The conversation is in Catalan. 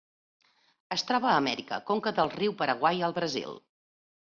Es troba a Amèrica: conca del riu Paraguai al Brasil.